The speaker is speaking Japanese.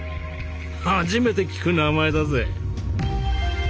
初めて聞く名前だぜ」。